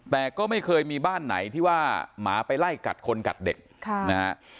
แต่ก็ไม่เคยมีบ้านไหนที่ว่าหมาไปไล่กัดคนกัดเด็กนะฮะ